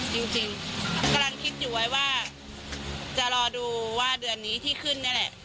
จริงกำลังคิดอยู่ไว้ว่าจะรอดูว่าเดือนนี้ที่ขึ้นนี่แหละ